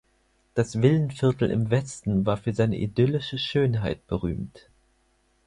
Das Villenviertel im Westen war für seine idyllische Schönheit berühmt.